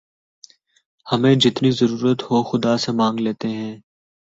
ہمیں جتنی ضرورت ہو خدا سے مانگ لیتے ہیں